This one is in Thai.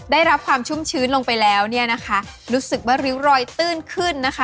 ได้รับความชุ่มชื้นลงไปแล้วรู้สึกว่าริ้วรอยตื้นขึ้น